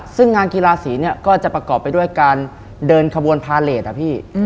ซึ่งงานกีฬาสีเนี่ยก็จะประกอบไปด้วยการเดินขบวนพาเลสอะพี่